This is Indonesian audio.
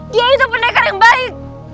dia itu pendekar yang baik